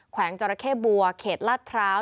วงจรเข้บัวเขตลาดพร้าว